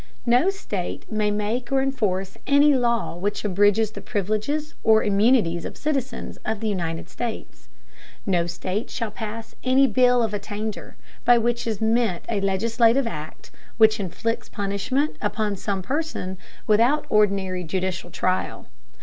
No state may make or enforce any law which abridges the privileges or immunities of citizens of the United States. No state shall pass any bill of attainder, by which is meant a legislative act which inflicts punishment upon some person without ordinary judicial trial.